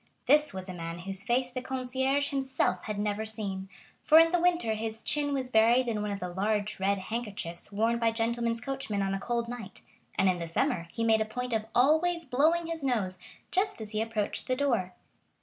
This was a man whose face the concierge himself had never seen, for in the winter his chin was buried in one of the large red handkerchiefs worn by gentlemen's coachmen on a cold night, and in the summer he made a point of always blowing his nose just as he approached the door.